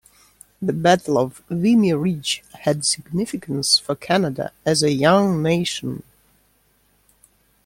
The Battle of Vimy Ridge had significance for Canada as a young nation.